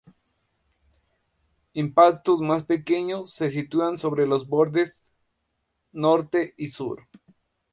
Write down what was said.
Impactos más pequeños se sitúan sobre los bordes norte y sur.